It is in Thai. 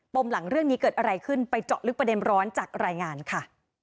มหลังเรื่องนี้เกิดอะไรขึ้นไปเจาะลึกประเด็นร้อนจากรายงานค่ะ